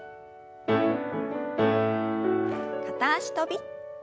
片脚跳び。